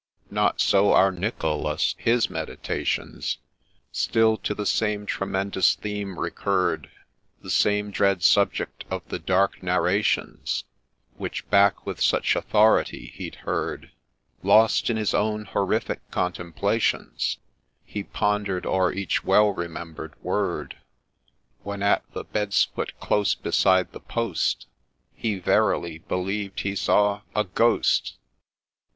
Not so our Nicholas : his meditations Still to the same tremendous theme recurr'd, The same dread subject of the dark narrations, Which, back'd with such authority, he'd heard : Lost in his own horrific contemplations, He ponder'd o'er each well remember'd word ; When at the bed's foot, close beside the post, He verily believed he saw — a Ghost